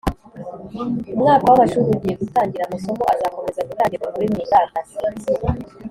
umwaka w'amashuri ugiye gutangira amasomo azakomeza gutangirwa kuri murandasi